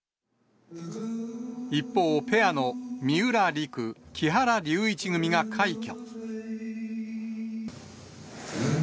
一方、ペアの三浦璃来・木原龍一組が快挙。